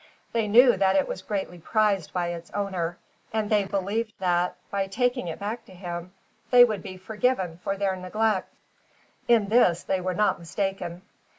They knew that it was greatly prized by its owner, and they believed that, by taking it back to him, they would be forgiven for their neglect. In this, they were not mistaken.